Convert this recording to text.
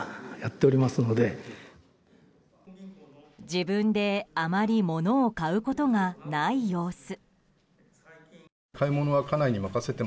自分であまり物を買うことがない様子。